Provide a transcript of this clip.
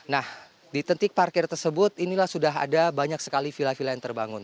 nah di titik parkir tersebut inilah sudah ada banyak sekali villa villa yang terbangun